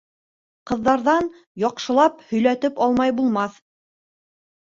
Ҡыҙҙарҙан яҡшылап һөйләтеп алмай булмаҫ.